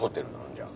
じゃあ。